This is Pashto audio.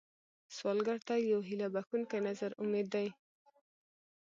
سوالګر ته یو هيله بښونکی نظر امید دی